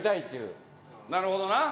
後藤：なるほどな。